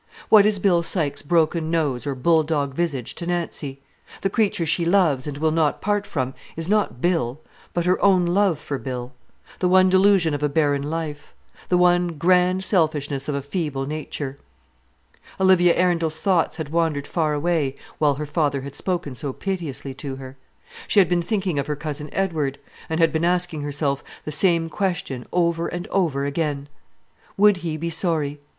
What is Bill Sykes' broken nose or bull dog visage to Nancy? The creature she loves and will not part from is not Bill, but her own love for Bill, the one delusion of a barren life; the one grand selfishness of a feeble nature. Olivia Arundel's thoughts had wandered far away while her father had spoken so piteously to her. She had been thinking of her cousin Edward, and had been asking herself the same question over and over again. Would he be sorry?